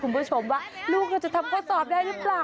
คุณผู้ชมว่าลูกเราจะทำข้อสอบได้หรือเปล่า